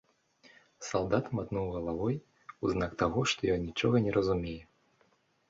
Салдат матнуў галавой у знак таго, што ён нічога не разумее.